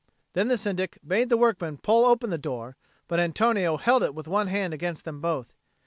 Then the Syndic bade the workmen pull open the door; but Antonio held it with one hand against them both.